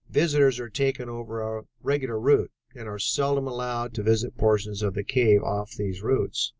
Visitors are taken over a regular route and are seldom allowed to visit portions of the cave off these routes.